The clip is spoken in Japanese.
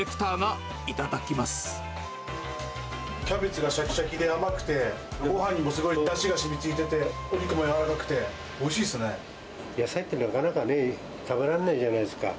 キャベツがしゃきしゃきで甘くて、ごはんにもすごいだしがしみついてて、お肉も柔らかくて、野菜ってなかなかね、食べられないじゃないですか。